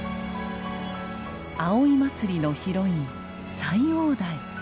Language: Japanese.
葵祭のヒロイン斎王代。